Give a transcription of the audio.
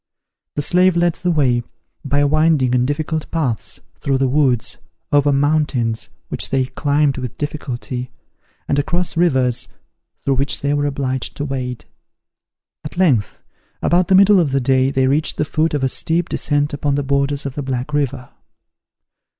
The slave led the way, by winding and difficult paths, through the woods, over mountains, which they climbed with difficulty, and across rivers, through which they were obliged to wade. At length, about the middle of the day, they reached the foot of a steep descent upon the borders of the Black River.